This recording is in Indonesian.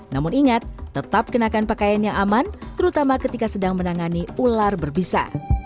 namun ingat tetap kenakan pakaian yang aman terutama ketika sedang menangani ular berbisa